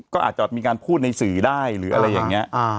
ก็อาจจะมีการพูดในสื่อได้หรืออะไรอย่างนี้